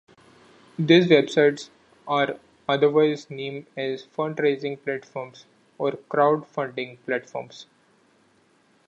These websites are otherwise known as fundraising platforms or crowdfunding platforms.